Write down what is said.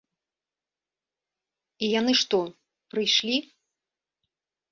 І яны што, прыйшлі?